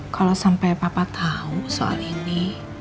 kalau sampai papa tahu soal ini